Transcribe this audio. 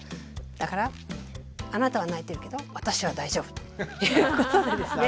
だからあなたは泣いてるけど私は大丈夫ということでですね